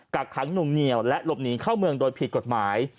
กักขังหนุ่งเหนียวและหลบหนีเข้าเมืองโดยผิดกฎหมาย